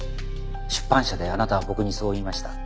出版社であなたは僕にそう言いました。